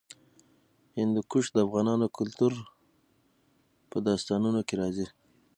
هندوکش د افغان کلتور په داستانونو کې راځي.